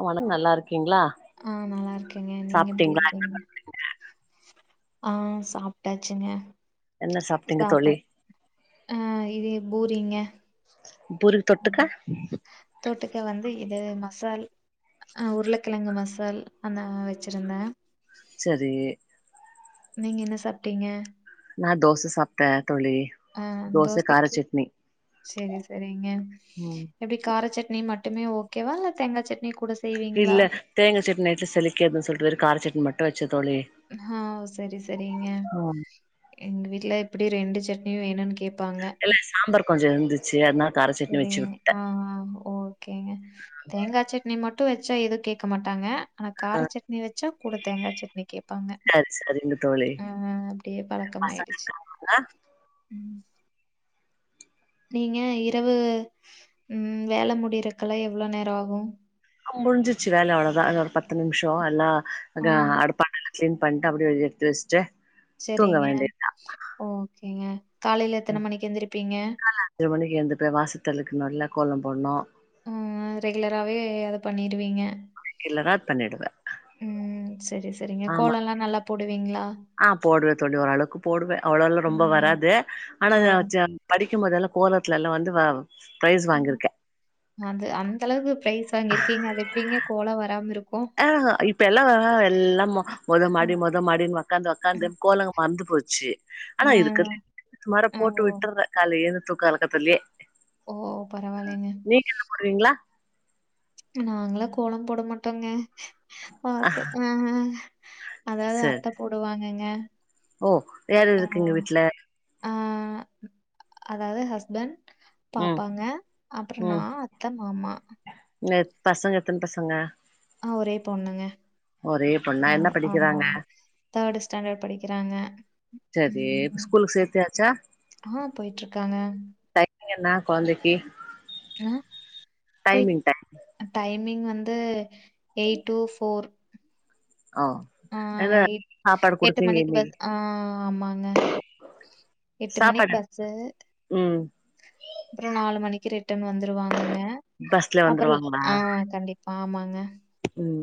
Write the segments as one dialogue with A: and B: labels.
A: அவள நல்லா இருக்கு
B: ஆஹ் நல்லா இருக்கங்க நீங்க எப்படி
A: சாப்ட்டீங்களா
B: இருக்கீங்க ஆஹ் சாப்ட்டாச்சுங்க
A: என்ன சாப்ட்டீங்க தோழி
B: ஆஹ் இது பூரிங்க
A: பூரிக்கு தொட்டுக்க
B: தொட்டுக்க வந்து இது மசால் ஆஹ் உருளக்கெழங்கு மசால் அந்த வெச்சிருந்த
A: செரி
B: நீங்க என்ன சாப்டீங்க
A: நா தோச சாப்டே தோழி தோச காரச்சட்னி
B: செரி செரிங்க எப்டி காரச்சட் னி மட்டுமே ஓகேவா இல்ல தேங்கா சட்னியோ கூட சேர்த்து
A: இல்ல தேங்கா சட்னி நைட்ல செலிக்காதுன்னு சொல்லிட்டு வெரோ காரச்சட்னி மட்டு வச்சே தோழி
B: ஹா செரி செரிங்க
A: ம்
B: எங்க வீட்டுல எப்டி ரெண்டு சட்னியோ வேனுன்னு கேப்
A: இல்ல சாம்பார் கொஞ்சோ இருந்துச்
B: செரிங்க ஆஹ் ஹா ஓ கேங்க தேங்கா சட்னி மட்டோ வெச் ச்சா எதுவோ கேக்க மாட்டாங்க ஆனா கார
A: ஆ
B: சட்னி வெச்சா கூட தேங்கா சட்னி கேப்பாங்க
A: சரி சரிங்க தோழி
B: ஆஹ் அப்டியே
A: பசங்க
B: பழக்கமாயிடுச்சு
A: இருக்காங்களா
B: உம் நீங்க இரவு உம் வேல முடியறக்குல்லா எவ்வளோ நேரம் ஆகும்
A: முடிஞ்சிச்சு வேல அவ்வளோதான் இன்னோ ஒரு பத்து நிமிஷோம் எல்லா அங்க
B: ம்.
A: ஆடு பண்ணல கிளீன் பண்டு அப்படியே அது எடுத்து வெஸ்ட்டு
B: செரிங்க ஓகேங்க காலையில எத்தன மணிக்கு எந்திருப்பீங்க
A: எந்துப்போய் வாசத்தெலிக்குனுல கோலம் போணும்
B: ஹும் ரெகுலராவே அத பண்ணிருவீங்க
A: ரெகுலரா பண்ணிடுவே
B: ம் சரி, சரிங்க.
A: ஆமா
B: கோலம்லாம் நல்லா போடுவீங்களா?
A: ஆஹ் போடுவே தோழி ஒரளவுக்கு போடுவேன் அவ்வளோலா ரொம்ப
B: ம்.
A: வராது ஆனா
B: ஆ.
A: படிக்கும் போதல்லா கோல வீட்டுலல்லா வந்து வவ் ஸ்பைஸ்
B: ம்.
A: வாங்கிருக்கேன்
B: அது அந்த அளவு ப்ரைஸ் வாங்கிருக்கிங்க அது எப்படிங்க கோலம் வர் ராமி ருக்
A: ஆஹு இப்பெல்லா எல்லா மொதமாடி
B: ம்,
A: மொதமாடின்னு ஓக்காந்து ஓக்காந்து
B: ம்.
A: கோலங்க மறந்து போச்சி
B: ஆ,
A: ஆனா இதுக்கு சுமார
B: ஆ,
A: போட்டு
B: ஓ
A: விட்டுற கால ஏந்த தூக்கலக்கத்திலே
B: ஓ பரவாலேங்க
A: போடுவீங்களா
B: நாங்களா கோலம் போட மாட்டோங்க வாசு ஆஹ அதாவது
A: சரி
B: அத்த போடுவாங்கங்க
A: ஓ வேற
B: ஆ,
A: இருக்குங்க வீட்டு்ல
B: ஆ அதாவது ஹஸ்பெண்ட்
A: ம்
B: பாப்பாங்க அப்புறம் நா
A: ம்
B: அத்த மாமா
A: பசங்க எத்தன பசங்க
B: ஒரே பொண்ணுங்க
A: ஒரே பொண்ணா என்ன
B: ஆஹ ஆமா
A: படிக்கிறாங்க
B: தேர்டு ஸ்டாண்டர்ட் படிக்கிறாங்க
A: சரி ஸ்கூலுக்கு சேத்தியாச்சா
B: ஆஹ் போயிட்டு இருக்காங்க
A: நீங்கன கெழந்தக்கி
B: ஆஹ் போய் டைம் நீங்க வந்து எயிட் டூ ஃபோர்
A: ஆ என்ன
B: ஆஹ் எ
A: சாப்பாடு
B: எட்டு
A: குடுத்தீங்க
B: மணிக்கு
A: இன்னைக்கு
B: பஸ் ஆஹ் ஆமாங்க எட்டு மணிக்கு
A: சாப்பாடு
B: பஸ்ஸு
A: ம்
B: அப்புறம நாலு மணிக்கு ரெ ட்டன் வந்துருவாங்க ங்க
A: பஸ்ல
B: அப்புற ஆஹ் கண்டிப்பா ஆமா அஹ்
A: உம்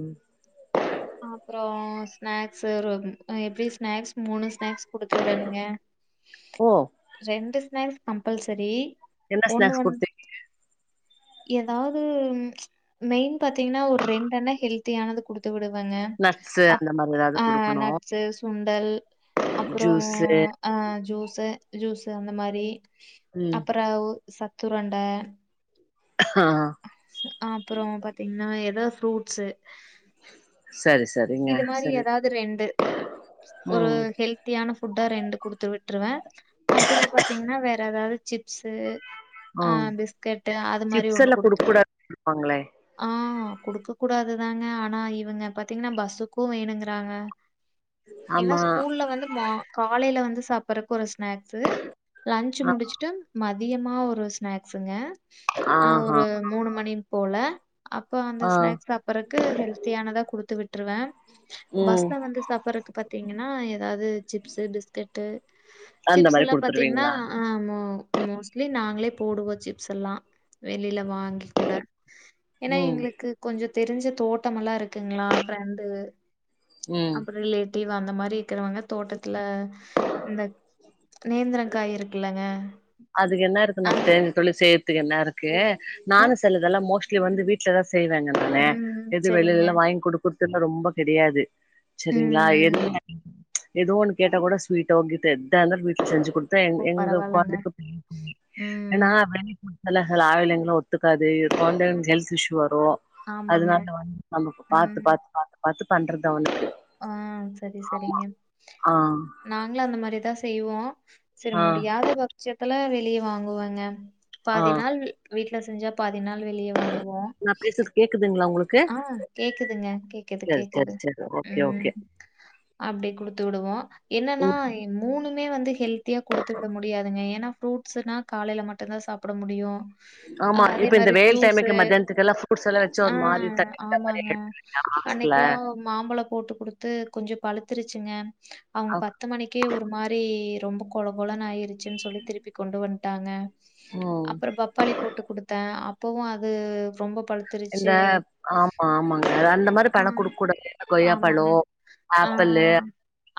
B: அப்புற ஸ்நாக்ஸ் எப்பிடி ஸ்நாக்ஸ் மூணு ஸ்நாக்ஸ் குடுத்து விடனுங்க
A: ஓ
B: ரெண்டு ஸ்நாக்ஸ் கம்பல்சரி
A: என்ன ஸ்நாக்ஸ் குடுத்திருக்கிங்க
B: எதாவது மெயின் பாத்தீங்கினா ஒரு ரெண்டுண்ண ஹெல்த்தியானது குடுத்து விடுவங்க
A: நட்ஸு
B: அப்
A: அந்த மாரி ஏதாவது குடுக்கணு
B: நட்ஸ் சுண்டல் அப்புற
A: ஜூஸு
B: அஹ. ஜூஸு ஜூஸ் அந்த மாரி
A: ம்
B: அப்புறவு சத்துரண்ட
A: ஆ
B: அப்புற பாத்தீங்கினா எதோ ஃப்ரூட்ஸ்சு
A: சரி சரிங்க
B: இது மாரி
A: சரி
B: எதாது ரெண்டு ஒரு
A: ம்
B: ஹெல்த்தியான ஃப் ஃபுட்டா ரெண்டு குடுத்து விட்டுருவேன் அப்புறம் பாத்தீங்கன்னா வேற ஏதாவது சிப்ஸு
A: ஆ
B: ஆஹ் பிஸ்கட் அது மாரி ஒன்னு குடுக்
A: இருப்பாங்களே
B: ஆஹ் குடுக்க கூடாதுதாங்க ஆனா இவங்க பாத்தீங்கன்னா பஸ்ஸுக்கும் வேணுங்கறாங்க ஏன்னா
A: ஆமா
B: ஸ்கூல்ல வந்து மா காலைல வந்து சாப்பறக்கு ஒரு ஸ்நாக்ஸ்சு லன்ச்சு முடிச்சுட்டு ம தியமா ஒரு ஸ்நாக்ஸுங்க
A: ஆஹ்ஹா
B: மூணு மணி போ ல அப்போ அந்த
A: ஆ
B: ஸ்நாக்ஸ் சப்புறக்கு ஹெல்த்தியானதா குடுத்து விட்டு ட்ரு வ
A: ம்
B: பஸ்ல வந்து சாப்புறக்கு பாத்தீங்கன்னா ஏதாவது சிப்ஸ்சு பிஸ்கெட் ட்டு
A: அந்த
B: சிப்ஸ்
A: மாரி
B: எல்லா பாத்தீங்கன்னா
A: குடுத்துருவீங்களா
B: ஆ மு மோஸ்ட்லி நாங்களே போடுவோம் சிப்ஸ் எல்லா வெளில வாங்கி கூட ஏனா
A: ம்
B: எங்குளுக்கு கொஞ்சு தெரிஞ்ச தோட்டமெல்லா இருக்குங்களா ஃப்ரெண்டு
A: ம்
B: அப்புற ரிலேட்டிவ் அந்த மாரி இக்கிறவங்க தோட்டத்துல இந்த நேந்திர காய் இருக்குல்லங்க
A: அதுக்கென்ன இருக்கு
B: அ,
A: நம்மக் தெர்ஞ்ச தொழிஸ் சேத்துக்கு என்ன இருக்கு
B: அ.
A: நானு செல்லுதல்லாம் மோஸ் க்கே வந்து வீட்ல தா செய்வங்க நானே
B: ம்
A: எது வெளியில
B: சரிங்க.
A: எல்லா வாங்கி குடுக் தின்ன ரொம்ப கிடையாது செரிங்களா
B: ம்.
A: என்ன எதோ ஒன்னு கேட்டா கூட ஸ்வீட்டோ கீட்டோ எத்தாளு வீட்ல செஞ்சு குடுத் தா எங்
B: ஓ!
A: எங்கவ்
B: பரவால்லங்க.
A: உக்காந்துட்டு பாப்பே
B: ம்.
A: ஏன்னா வலிக்கும் லகலா ஆயில் எங்கு ஒத்துக்காது கொழ்ந்தைகள்
B: ம்.
A: ஹெல்த் இஷ்யு வரு
B: ஆமாங்க.
A: அதுனால வந்து நம பாத்து பாத்து பாத்து பாத்துப் பண்றது அவுனுக்கு
B: ஆஹ் செரி செரிங்க
A: ஆ
B: நாங்களு அந்த மாரிதாஸ் செய்வோ செரி
A: ஆ
B: முடியாத பக்ட்சத்துல வீட் லி வாங்குவாங்க
A: ஆ
B: பாதி நாள் வீ வீட்டுல செஞ்சாப் பாதி நாள் வெளிய வாங்கு
A: நா பேசுறது கேக்குதுங்களா உங்களுக்
B: ஆஹ் கேக்குதுங்க கேக்குது கேக்குது
A: சரி சரி ஓகே
B: உம்
A: ஓகே
B: அப்டி குடுத்து விடுவோ
A: ம்
B: என்னன்னா என் மூணும் மே வந்து ஹெல்த் த்தியா குடுத்து விட முடியாதுங்க ஏன்னா ஃப்ரூட்ஸ்சுன்னா காலையில மட்டும்தா சாப்புட முடியு
A: ஆமா இப்ப இந்த வெயில் டைம்க்கு மத்தியானத்துக்ககெல்லம் ஃப்ரூட்ஸ் எல்லாம் வச்ச மாறி
B: உம் ஆமாங்க அன்னைக்கெல்லாம் மாம்பலம் போட்டு கொடுத்து கொஞ்சம் பழுத்துருச்சுங்க அவங்க பத்து மணிக்கே ஒரு மாரி ரொம்ப குழ குழன்னு ஆயிரு ச்சுன்னு சொல்லி திருப்பி கொண்டு வன் விட்டாங்க
A: ம்
B: அப்புறம் பப்பாளி போட்டு கொடுத்தேன் அ ப்பவும் அது ரொம்ப
A: இந்த
B: பழுத்துருச்சு
A: ஆமா ஆமாங்க அந்த மாரி
B: ஆ
A: பழம் கொடுக்கு கூடாது
B: ஆமாங்க
A: கொய்யாப்பழம்
B: ஆ
A: ஆப்பிள்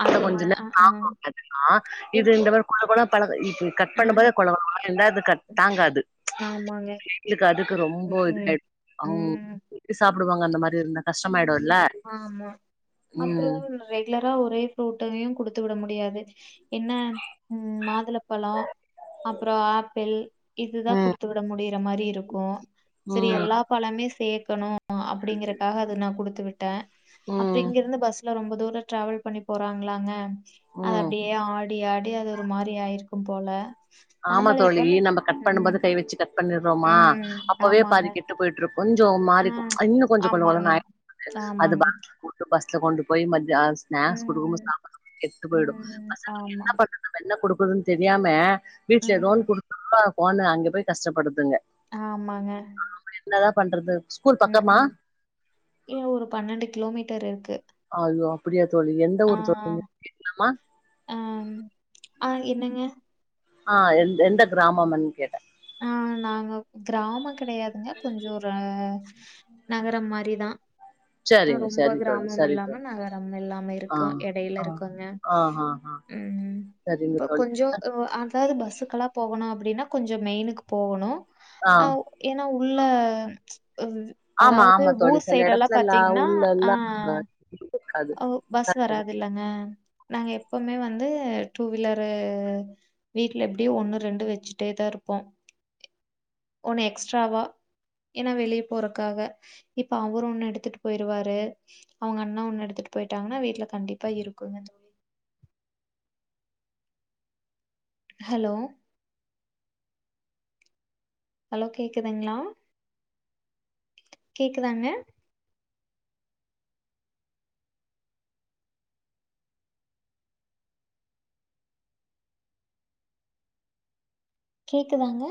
B: அது
A: கொஞ்ச
B: மா ஆ
A: நேரம்
B: ஆ
A: தாகும் [unintelligible] ஆஹ இது
B: என்ன
A: இந்த மாரி கொல கொல பலது கட்
B: ஆ ஆ,
A: பண்ணும்போத கொல கொல கொலனு இருந்தா அது கட் தாங்காது
B: ஆமாங்க
A: எங்களுக்கு அதுக்கு ரொம்ப
B: ம்
A: இது
B: ம்
A: அம்
B: ம்,
A: சாப் படுவாங்க அந்த மாரி இருந்த கஷ்டாயி
B: ஆம்மா அப்புறம் ரெகுலரா ஒரே ஃப்ரூட்டவே கொடுத் து விட முடியாது என்ன உம் மாதுளப்பலோம் அப்புறம் ஆப்பிள் இதுதான்
A: ம்
B: குடுத்து விட முடியிற மாரி இருக்கும் சரி
A: ம்
B: எல்லா பலமே சேக்கணும் அப்படிங்கறக்காக அது நான் கொடுத்து விட் டன் அப்புறம்
A: ம்
B: இங்க இருந்து பஸ் ரொம்ப தூர டிராவல் பண்ணி போறாங்களாங்க அது
A: ம்
B: அப்படியே ஆ ப்டியாடி அது ஒரு மாரி ஆயிருக்கும் போல
A: ஆமா
B: மாம்பழம்
A: தோலி
B: எப்பவுமே
A: நம்ம கட்
B: ம்,
A: பண்ணும்போது கை வச்சு கட் பண்ணிடுறோமா
B: ம்.
A: அப்பவே
B: ஆமாங்க.
A: பாதிக்கெட்டு போயிட்டுயிக் கொஞ்சம்
B: ஆ.
A: மாறிக்கும் இன்னும் கொஞ்சம்
B: ஆமாங்க,
A: கொலகொலன்னு ஆய் அது
B: ஆமாங்க.
A: பஸ்ல போட்டு ப ஸ்ல கொண்டு போய் மதியா ஸ்னாக்ஸ் கொடுக்கும்
B: ம்,
A: சாப்பாடு கெட்டு போயிடும்
B: ம்.
A: பசங்களுக்கு
B: ஆமா.
A: என்ன பண்ணது என்ன ஒன்னும் தெரியாம வீட்டு்ல
B: ம்.
A: லோன் குடுப்பா போண்ணு அங்க போய் கஷ்டப்படுதுங்க
B: ஆமாங்க
A: என்னதான் பண்றது ஸ்கூல்
B: உம்
A: பக்கமா
B: உம் இல்ல ஒரு பன்னெண்டு கிலோமீட்டர் இருக்கு
A: அப்படியாது
B: ஆஹ் அஹ் ஆஹ் என்னங்க
A: ஆஹ் எ எந்த கிராமமன்னு கேட்டன்
B: ஆஹ் நாங்க கிராம கிடையாதுங்க கொஞ்சம் ஒரு நகரம் மாரிதான்
A: சரிங்க
B: ரொம்ப
A: சரி தோழி
B: கிராமம்
A: சரி
B: இல்லாம
A: தோழி
B: நகரம் இல்லாம
A: ஆ
B: இருக்கோம் இடையில
A: ஆ
B: இருக்கங்க
A: ஆ ஆ ஆ
B: உஹம்
A: சரிங்க
B: இப்ப
A: தோழி
B: கொஞ்சம் அதாவது பஸ்சு ல்ல போகணும் அப்படினா கொஞ்சம் கொஞ்சம் மெயினுக்கு போகணும்
A: ஆ
B: ஆஹ் ஏனா உள்ள அஹ்,
A: ஆமா
B: அதாவது
A: ஆமா
B: ஊர்
A: தொழிசல்ல
B: சைடெல்லாம்
A: இடத்துல
B: பாத்தீங்கன்னா, ஆ
A: உள்ளலாம்
B: பஸ் வராது இல்லங்க நாங்க எப்பவுமே வந்து டூ வீலரு வீட்டுல எப்படியோ ஒண்ணு ரெண்டு வச்சுட்டே தான் இருப்போம் ஒண்ணு எக்ஸ்ட்ராவா ஏன்னா வெளியே போறக்காக இப்ப அவர் ஒன்னு எடுத்துட்டு போயிருவாரு அவங்க அண்ணா ஒண்ணு எடுத்து எடுத்துட்டு போயிட்டாங்கன்னா வீட்டுல கண்டிப்பா இருக்குங்க தோழி ஹலோ ஹலோ கேக்குதுங்களா கேக்குதாங்க கேக்குதாங்க